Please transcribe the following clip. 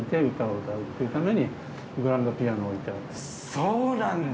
そうなんだ！